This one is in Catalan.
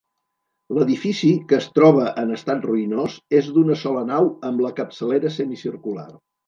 L'edifici, que es troba en estat ruïnós, és d'una sola nau amb la capçalera semicircular.